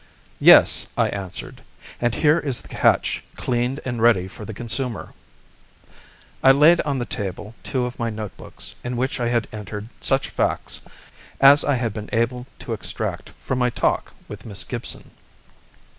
"Yes," I answered, "and here is the catch cleaned and ready for the consumer." I laid on the table two of my notebooks in which I had entered such facts as I had been able to extract from my talk with Miss Gibson.